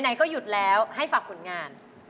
ไหนก็หยุดแล้วให้ฝากผลงาน